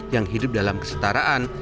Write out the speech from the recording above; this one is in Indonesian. yang hidup dalam kesetaraan